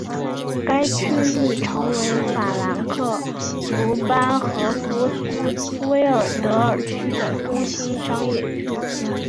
该区域成为法兰克福班荷福斯威尔德尔区的中心商业区。